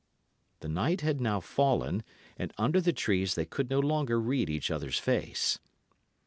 The night had now fallen, and under the trees they could no longer read each other's face.